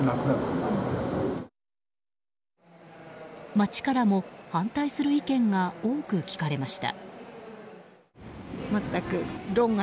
街からも反対する意見が多く聞かれました。